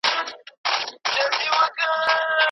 تاسو د خرما په خوړلو بوخت یاست.